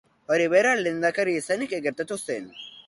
Hori bera lehendakari izanik gertatu zen.